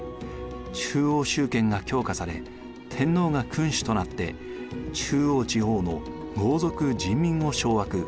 中央集権が強化され天皇が君主となって中央地方の豪族人民を掌握。